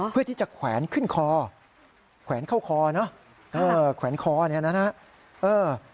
เพื่อที่จะแขวนขึ้นคอแขวนเข้าคอเนอะเออแขวนคอเนี่ยนะฮะเออ